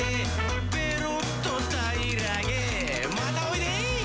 「ペロっとたいらげまたおいで」